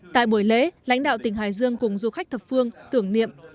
tại buổi lễ lãnh đạo tỉnh hải dương cùng du khách thập phương tưởng niệm